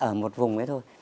ở một vùng đấy thôi